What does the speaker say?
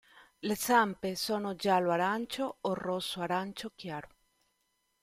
Le zampe sono giallo-arancio o rosso-arancio chiaro.